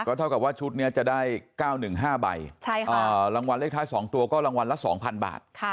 เท่ากับว่าชุดนี้จะได้๙๑๕ใบรางวัลเลขท้าย๒ตัวก็รางวัลละ๒๐๐บาท